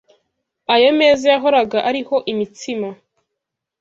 Ayo meza yahoraga ariho imitsima